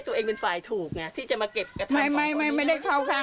สวัสดีคุณผู้ชายสวัสดีคุณผู้ชาย